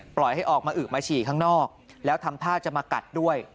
ปล่อยให้ออกมาอึกมาฉี่ข้างนอกแล้วทำท่าจะมากัดด้วย